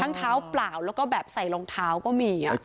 ทั้งเท้าเปล่าแล้วก็แบบใส่รองเท้าก็มี